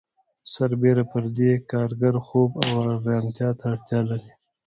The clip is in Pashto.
سربېره پر دې کارګر خوب او آرامتیا ته اړتیا لري